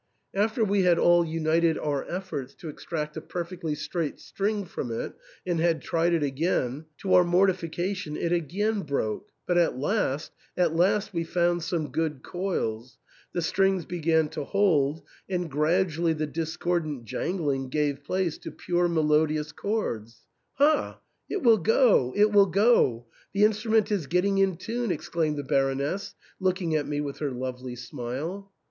After we had all united our efforts to extract a perfectly straight string from it, and had tried it again, to our mortification it again broke ; but at last — at last we found some good coils ; the strings began to hold, and gradually the discordant jangling gave place to pure melodious chords. " Ha ! it will go ! it will go ! The instrument is getting in tune !" exclaimed the Baroness, looking at me with her lovely smile.